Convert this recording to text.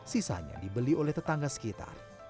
sisanya dibeli oleh tetangga sekitar